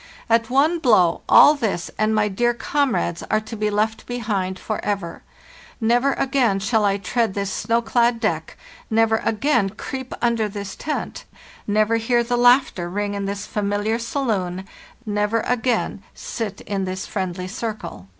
At one blow all this and my dear comrades are to be left behind forever; never again shall I tread this snow clad deck, never again creep under this tent, never hear the laugh ter ring in this familiar saloon, never again sit in this friendly circle.